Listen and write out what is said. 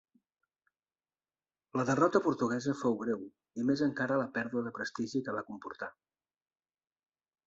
La derrota portuguesa fou greu i més encara la pèrdua de prestigi que va comportar.